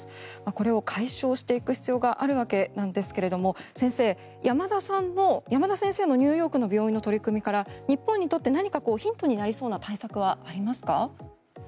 これを解消していく必要があるわけなんですが山田先生のニューヨークの病院の取り組みから、日本にとってヒントになりそうな対策はありますか？